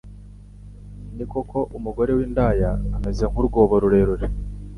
ni koko umugore w’indaya ameze nk’urwobo rurerure